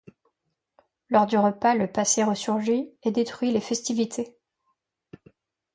Lors du repas, le passé resurgit et détruit les festivités.